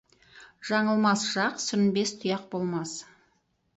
Жаңылмас жақ, сүрінбес тұяқ болмас.